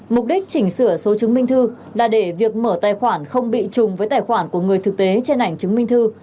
mục đích chỉnh sửa số chứng minh thư là để việc mở tài khoản không bị trùng với tài khoản của người thực tế trên ảnh chứng minh thư